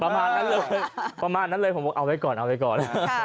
ประมาณนั้นเลยประมาณนั้นเลยผมบอกเอาไว้ก่อน